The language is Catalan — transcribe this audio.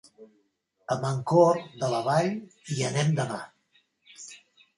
A Mancor de la Vall hi anem demà.